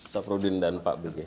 safruddin dan pak bg